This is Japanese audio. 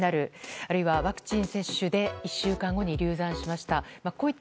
あるいはワクチン接種で１週間後に流産しました。